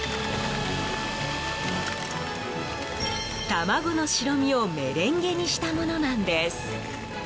卵の白身をメレンゲにしたものなんです。